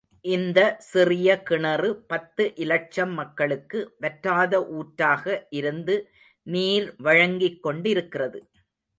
இந்த சிறிய கிணறு பத்து இலட்சம் மக்களுக்கு, வற்றாத ஊற்றாக இருந்து நீர் வழங்கிக் கொண்டிருக்கிறது.